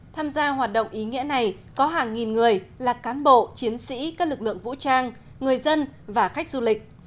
tham gia hoạt động ý nghĩa này có hàng nghìn người là cán bộ chiến sĩ các lực lượng vũ trang người dân và khách du lịch